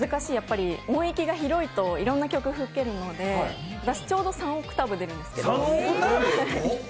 音域が広いと、いろんな曲吹けるので私、ちょど３億ターブ出るんですけど。